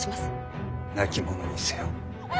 亡き者にせよ。